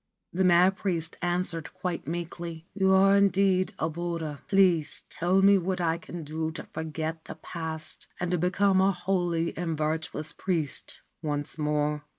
The mad priest answered quite meekly : 'You are indeed a Buddha. Please tell me what I can do to forget the past, and to become a holy and virtuous priest once more.'